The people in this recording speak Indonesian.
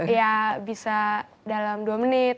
ya bisa dalam dua menit